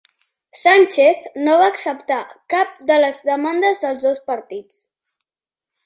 Sánchez no va acceptar cap de les demandes dels dos partits